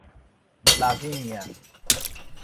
Lavínia